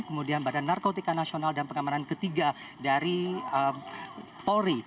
kemudian badan narkotika nasional dan pengamanan ketiga dari polri